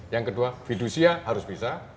yang kedua fidusia harus bisa